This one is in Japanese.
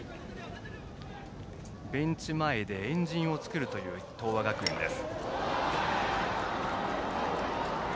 ベンチ前で円陣を作るという東亜学園です。